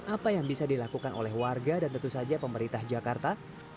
apa yang bisa dilakukan oleh warga dan tentu saja pemerintah jakarta